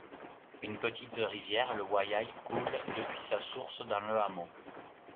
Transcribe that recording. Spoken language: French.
Une petite rivière le Wayai coule depuis sa source dans le hameau.